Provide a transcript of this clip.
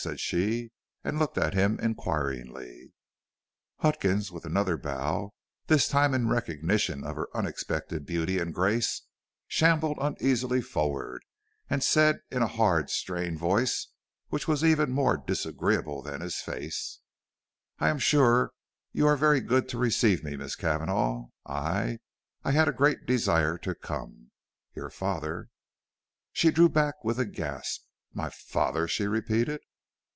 said she, and looked at him inquiringly. Huckins, with another bow, this time in recognition of her unexpected beauty and grace, shambled uneasily forward, and said in a hard, strained voice which was even more disagreeable than his face: "I am sure you are very good to receive me, Miss Cavanagh. I I had a great desire to come. Your father " She drew back with a gasp. "My father " she repeated.